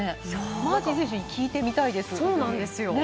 マーティン選手に聞いてみたいです。